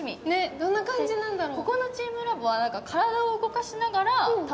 どんな感じなんだろう？